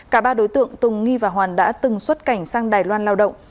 cả ba đối tượng tùng nghi và hoàn đã từng xuất cảnh sang đài loan lao động